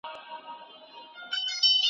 ـ څه ډول مې چې ویني...